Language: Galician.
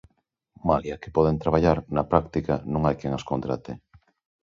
Malia que poden traballar, na práctica non hai quen as contrate.